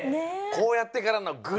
こうやってからのグリッ。